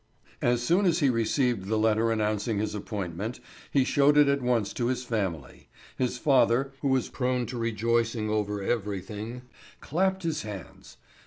As soon as he received the letter announcing his appointment he showed it at once to his family. His father, who was prone to rejoicing over everything, clapped his hands.